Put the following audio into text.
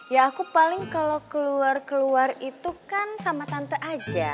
ya aku paling kalau keluar keluar itu kan sama tante aja